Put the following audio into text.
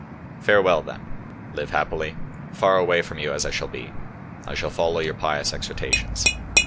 Farewell, then; live happily; far away from you as I shall be, I shall follow your pious exhortations.